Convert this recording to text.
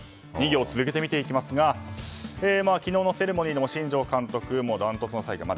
２行続けて見ていきますが昨日のセレモニーでも新庄監督、ダントツの最下位。